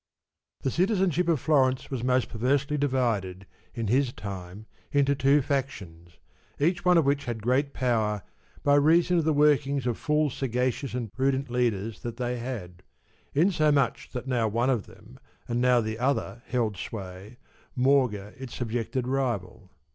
^ The citizenship of Florence was most perversely divided, in his time, into two factions, each one of 29 which had great power by reason of the workings of full sagacious and prudent leaders that they had ; in so much that now one of them and now the other held sway, maugre its subjected rival.